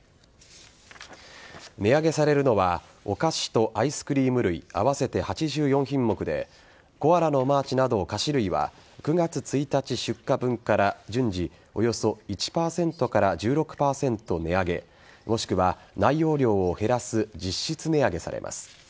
値上げされるのはお菓子とアイスクリーム類合わせて８４品目でコアラのマーチなど菓子類は９月１日出荷分から順次およそ１％から１６％値上げもしくは内容量を減らす実質値上げされます。